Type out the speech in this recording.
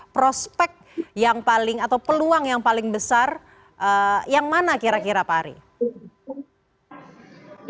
prospek yang paling atau peluang yang paling besar yang mana kira kira pak ari